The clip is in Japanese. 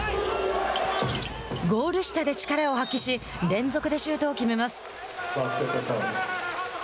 ゴール下で力を発揮し連続でシュートを決めます。